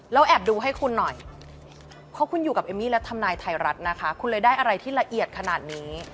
แล้วแอบดูให้คุณหน่อยเพราะคุณอยู่กับเอมมี่และทำนายไทยรัฐนะคะคุณเลยได้อะไรที่ละเอียดขนาดนี้